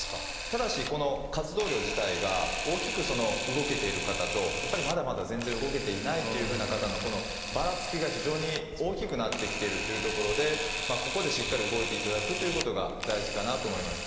ただしこの活動量自体が大きく動けている方とやっぱりまだまだ全然動けていないというふうな方のこのばらつきが非常に大きくなってきているというところでここでしっかり動いていただくということが大事かなと思います。